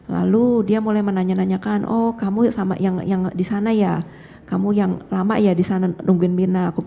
lalu dia mulai menanya nanyakan oh kamu sama yang di sana ya kamu yang lama ya di sana nungguin mirna